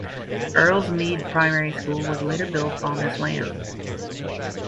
Earlsemead Primary School was later built on this land.